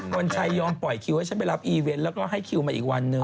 วันชัยยอมปล่อยคิวให้ฉันไปรับอีเวนต์แล้วก็ให้คิวมาอีกวันหนึ่ง